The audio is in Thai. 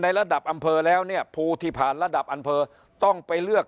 ระดับอำเภอแล้วเนี่ยภูที่ผ่านระดับอำเภอต้องไปเลือก